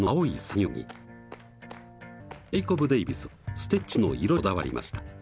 でもジェイコブ・デイビスはステッチの色にこだわりました。